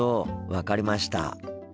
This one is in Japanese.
分かりました。